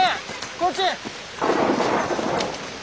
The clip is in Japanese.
こっち！